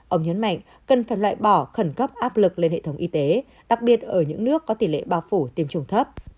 ông nhấn mạnh cần phải loại bỏ khẩn cấp áp lực lên hệ thống y tế đặc biệt ở những nước có tỷ lệ bao phủ tiêm chủng thấp